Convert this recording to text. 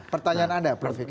pertanyaan anda prof ikam